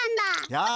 やあ！